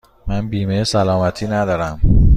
من بیمه سلامتی ندارم.